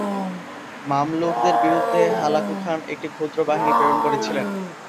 মামলুকদের বিরুদ্ধে Hulagu Khan একটি ক্ষুদ্র বাহিনী প্রেরণ করেছিলেন।